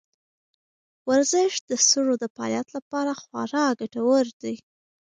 ورزش د سږو د فعالیت لپاره خورا ګټور دی.